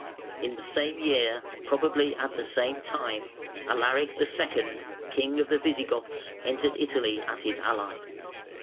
In the same year, probably at the same time, Alaric II., king of the Visigoths, entered Italy as his ally.